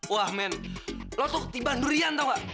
wah men lo tuh tiba durian tau gak